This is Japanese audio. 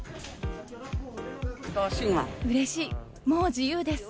うれしい、もう自由です。